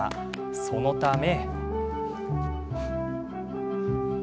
そのため。